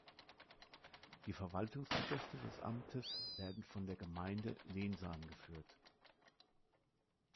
Die Verwaltungsgeschäfte des Amtes werden von der Gemeinde Lensahn geführt.